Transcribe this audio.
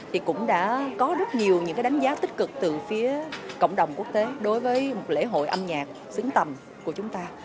thì cũng đã có rất nhiều những đánh giá tích cực từ phía cộng đồng quốc tế đối với một lễ hội âm nhạc xứng tầm của chúng ta